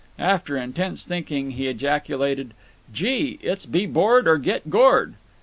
After intense thinking he ejaculated, "Gee! it's be bored or get gored."